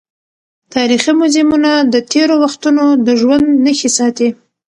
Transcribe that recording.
تاریخي موزیمونه د تېرو وختونو د ژوند نښې ساتي.